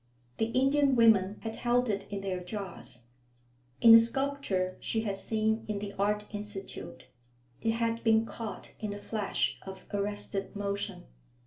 The Indian women had held it in their jars. In the sculpture she had seen in the Art Institute, it had been caught in a flash of arrested motion.